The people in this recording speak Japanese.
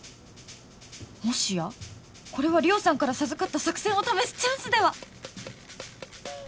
もしやこれは理緒さんから授かった作戦を試すチャンスでは？